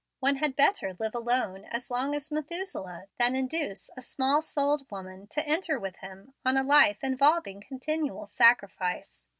One had better live alone as long as Methuselah than induce a small souled woman to enter with him on a life involving continual sacrifice.